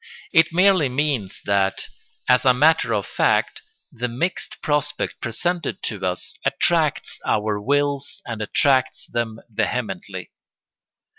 It merely means that, as a matter of fact, the mixed prospect presented to us attracts our wills and attracts them vehemently.